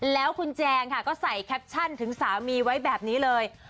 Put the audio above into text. แล้วคุณแจงค่ะก็ใส่แคปชั่นถึงสามีไว้แบบนี้เลย